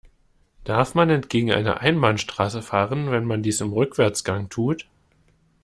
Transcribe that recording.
Darf man entgegen einer Einbahnstraße fahren, wenn man dies im Rückwärtsgang tut?